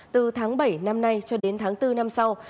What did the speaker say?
từ tháng bảy năm nay cho đến tháng bốn năm sau